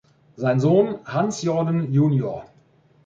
Sein Sohn "Hans Jordan jr.